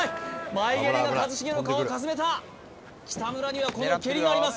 前蹴りが一茂の顔をかすめた北村にはこの蹴りがあります